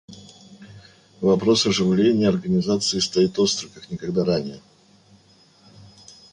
Вопрос оживления Организации стоит остро, как никогда ранее.